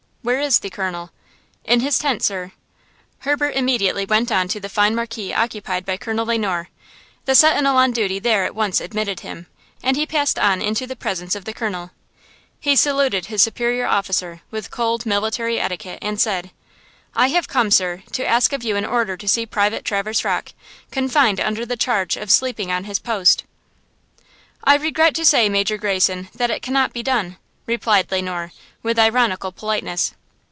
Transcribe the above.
"Where is the Colonel?" "In his tent, sir." Herbert immediately went on to the fine marquee occupied by Colonel Le Noir. The sentinel on duty there at once admitted him, and he passed on into the presence of the Colonel. He saluted his superior officer with cold military etiquette, and said: "I have come, sir, to ask of you an order to see Private Traverse Rocke, confined under the charge of sleeping on his post." "I regret to say, Major Greyson, that it cannot be done," replied Le Noir, with ironical politeness.